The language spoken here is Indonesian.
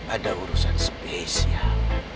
ada urusan spesial